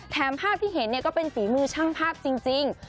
ภาพที่เห็นก็เป็นฝีมือช่างภาพจริง